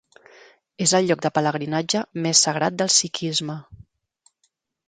És el lloc de pelegrinatge més sagrat del sikhisme.